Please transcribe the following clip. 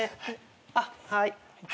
あっはい。